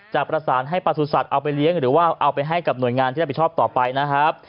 จะประสานให้ประสุทธิ์เอาไปเลี้ยงหรือว่าเอาไปให้กับหน่วยงานที่รับผิดชอบต่อไปนะครับ